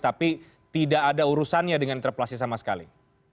tapi tidak ada urusannya dengan interpelasi sama sekali